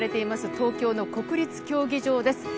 東京の国立競技場です。